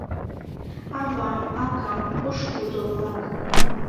Авам, акам, пошкудо-влак